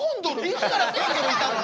いつからコンドルいたの？